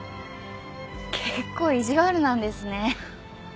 結構意地悪なんですね。